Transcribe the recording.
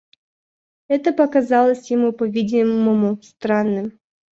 Это показалось ему, по-видимому, странным.